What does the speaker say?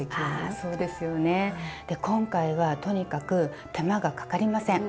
あそうですよね。今回はとにかく手間がかかりません！